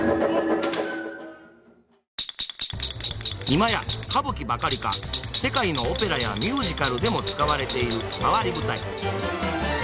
今や歌舞伎ばかりか世界のオペラやミュージカルでも使われている回り舞台。